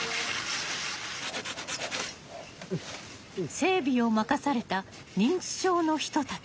整備を任された認知症の人たち。